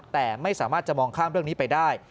แต่ไม่สามารถจะมองข้ามเรื่องนี้ไปได้